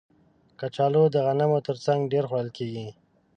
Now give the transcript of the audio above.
کچالو د غنمو تر څنګ ډېر خوړل کېږي